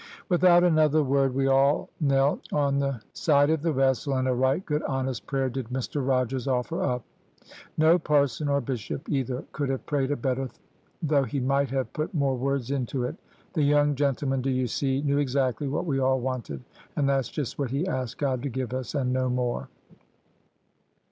"Without another word we all knelt on the side of the vessel, and a right good honest prayer did Mr Rogers offer up. No parson or bishop either could have prayed a better, though he might have put more words into it. The young gentleman, do ye see, knew exactly what we all wanted, and that's just what he asked God to give us, and no more.